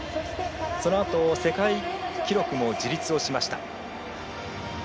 そのあと、世界記録も樹立をしました。